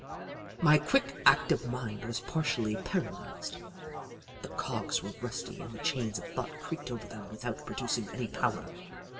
My quick, active mind was partially para lysed. The cogs were rusty and the chains of thought creaked over them without producing any power.